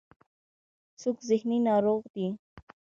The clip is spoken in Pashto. څوک ذهني ناروغ دی.